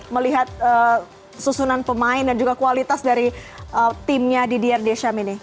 melihat susunan pemain dan juga kualitas dari timnya di drd sham ini